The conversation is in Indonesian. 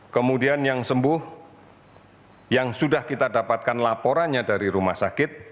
kemudian yang sembuh yang sudah kita dapatkan laporannya dari rumah sakit